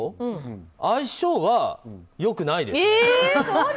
相性は良くないです。